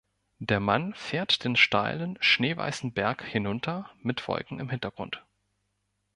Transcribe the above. Der Mann fährt den steilen, schneeweißen Berg hinunter, mit Wolken im Hintergrund.